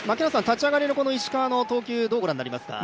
立ち上がりの石川の投球、どうご覧になりますか？